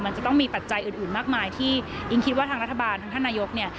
มันจะต้องมีปัจจัยอื่นมากมายที่อิงคิดว่าทางรัฐบาลทางท่านนายกเนี่ย